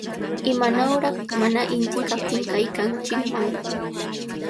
¡Imanawraq mana inti kaptin kaykanchikman!